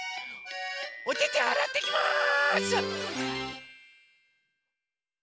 おててあらってきます！